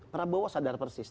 prabowo sadar persis